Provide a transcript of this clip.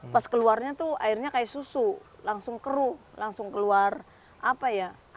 pas keluarnya tuh airnya kayak susu langsung keruh langsung keluar apa ya